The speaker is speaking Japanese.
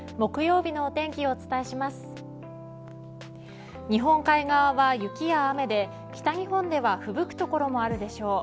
日本海側は雪や雨で北日本ではふぶく所もあるでしょう。